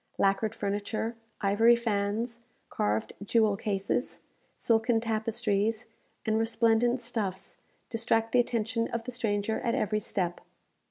Lacquered furniture, ivory fans, carved jewel cases, silken tapestries, and resplendent stuffs, distract the attention of the stranger at every step.